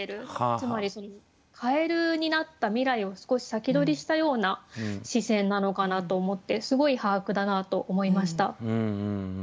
つまりかえるになった未来を少し先取りしたような視線なのかなと思ってすごい把握だなと思いました。